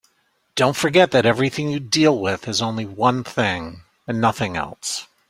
Don't forget that everything you deal with is only one thing and nothing else.